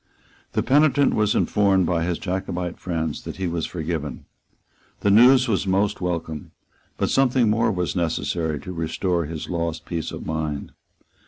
The penitent was informed by his Jacobite friends that he was forgiven. The news was most welcome; but something more was necessary to restore his lost peace of mind.